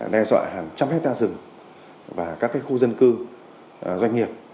đe dọa hàng trăm hectare rừng và các khu dân cư doanh nghiệp